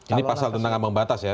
ini pasal tentang ambang batas ya